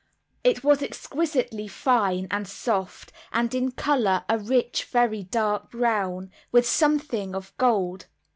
It was exquisitely fine and soft, and in color a rich very dark brown, with something of gold.